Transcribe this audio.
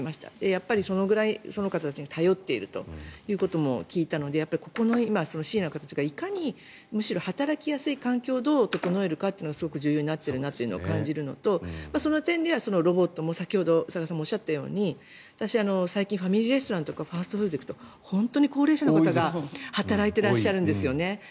やっぱりその方たちに頼っているということも聞いたのでこのシニアの方たちが働きやすい環境をどう整えるかというのがすごく重要になってると感じるのと、その点ではロボットも先ほど宇佐川さんがおっしゃったように私、最近ファミリーレストランとかファーストフードに行くと本当に高齢者の方が働いていらっしゃるんですよね。